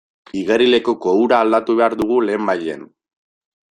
Igerilekuko ura aldatu behar dugu lehenbailehen.